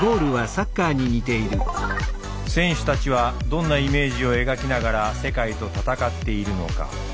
選手たちはどんなイメージを描きながら世界と戦っているのか？